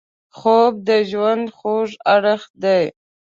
خوب د ژوند خوږ اړخ دی